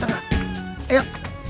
ini di tengah